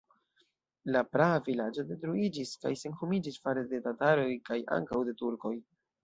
La praa vilaĝo detruiĝis kaj senhomiĝis fare de tataroj kaj ankaŭ de turkoj.